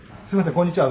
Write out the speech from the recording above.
こんにちは。